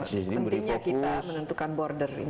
pentingnya kita menentukan border ini